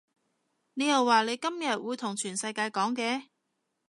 你又話你今日會同全世界講嘅